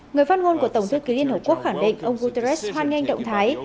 người phát ngôn của tổng thư ký liên hợp quốc khẳng định ông guterres hoan nghênh động thái